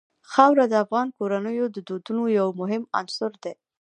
خاوره د افغان کورنیو د دودونو یو مهم عنصر دی.